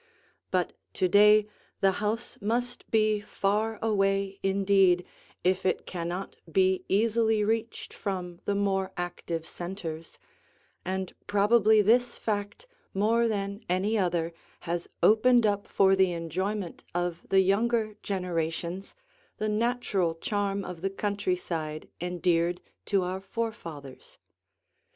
But to day the house must be far away indeed if it cannot be easily reached from the more active centers, and probably this fact more than any other has opened up for the enjoyment of the younger generations the natural charm of the countryside endeared to our forefathers.